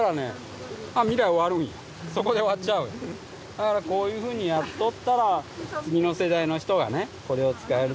だからこういうふうにやっとったら次の世代の人はねこれを使える。